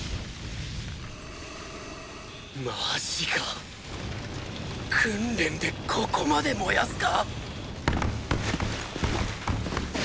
マジか訓練でここまで燃やすか！？